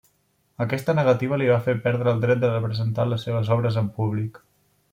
Aquesta negativa li va fer perdre el dret de presentar les seves obres en públic.